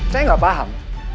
saya enggak paham